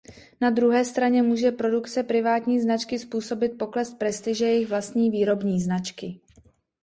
Na druhé straně může produkce privátní značky způsobit pokles prestiže jejich vlastní výrobní značky.